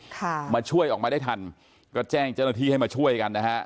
ค่ะมาช่วยออกมาได้ทันก็แจ้งเจ้าหน้าที่ให้มาช่วยกันนะฮะ